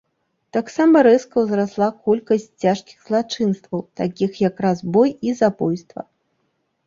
Таксама рэзка ўзрасла колькасць цяжкіх злачынстваў, такіх як разбой і забойства.